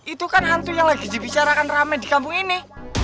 itu kan hantu yang lagi dibicarakan rame di kampung ini